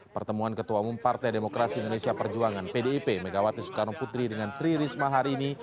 pertemuan ketua umum partai demokrasi indonesia perjuangan pdip megawati soekarno putri dengan tri risma hari ini